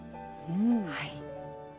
はい。